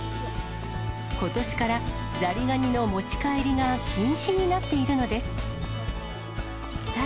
ことしから、ザリガニの持ち帰りが禁止になっているのです。